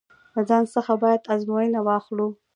له ځان څخه باید ازموینه واخلو.